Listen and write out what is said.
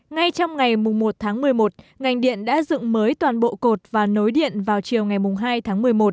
ngay trong ngày một tháng một mươi một ngành điện đã dựng mới toàn bộ cột và nối điện vào chiều ngày hai tháng một mươi một